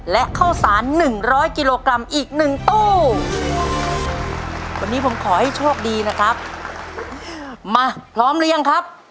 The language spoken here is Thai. และข้าวสารหนึ่งร้อยกิโลกรัมอีกหนึ่งตู้วันนี้ผมขอให้โชคดีนะครับมาพร้อมหรือยังครับ